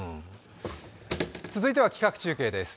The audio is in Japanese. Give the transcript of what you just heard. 続いては企画中継です。